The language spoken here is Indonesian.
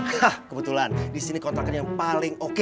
hah kebetulan disini kontrakan yang paling oke